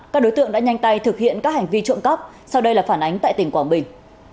các đối tượng đã nhanh tay thực hiện các hành vi trộm cắp sau đây là phản ánh tại tỉnh quảng bình